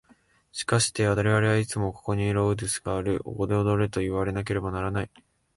しかして我々はいつもここにロードゥスがある、ここで踊れといわなければならない。